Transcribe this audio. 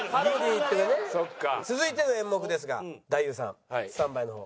続いての演目ですが太夫さんスタンバイの方を。